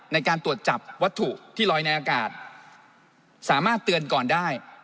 ในการตรวจจับวัตถุที่ลอยในอากาศสามารถเตือนก่อนได้